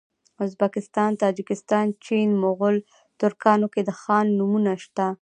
ازبکستان تاجکستان چین مغول ترکانو کي د خان نومونه سته